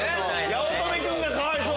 八乙女君がかわいそう。